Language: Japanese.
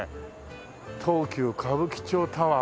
東急歌舞伎町タワー。